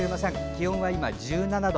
気温は今１７度。